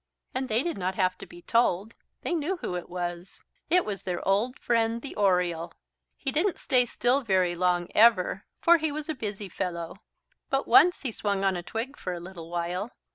And they did not have to be told they knew who it was. It was their old friend, the Oriole. He didn't stay still very long ever, for he was a busy fellow. But once he swung on a twig for a little while.